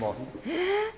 え？